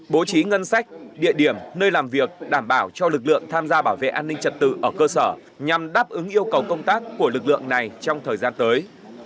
bố trí ngân sách địa điểm nơi làm việc đảm bảo cho lực lượng tham gia bảo vệ an ninh trật tự ở cơ sở nhằm đáp ứng yêu cầu công tác của lực lượng này trong thời gian tới